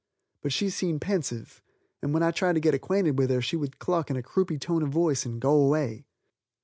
But she seemed pensive, and when I tried to get acquainted with her she would cluck in a croupy tone of voice and go away.